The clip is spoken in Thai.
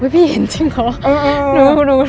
พี่เห็นจริงเหรอ